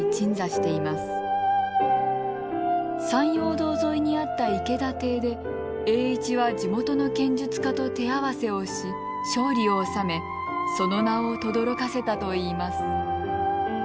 山陽道沿いにあった池田邸で栄一は地元の剣術家と手合わせをし勝利を収めその名をとどろかせたといいます。